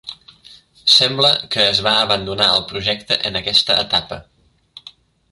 Sembla que es va abandonar el projecte en aquesta etapa.